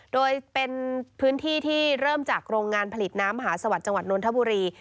โดยเป็นพื้นที่ที่เริ่มจากโรงงานผลิตน้ำมหาสวัสดิ์จังหวัดนทบุรี